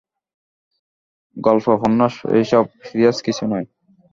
গল্প উপন্যাস এইসব, সিরিয়াস কিছু নয়।